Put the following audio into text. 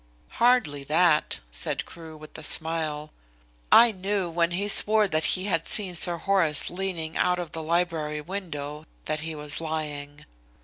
"Hardly that," said Crewe with a smile. "I knew when he swore that he had seen Sir Horace leaning out of the library window that he was lying.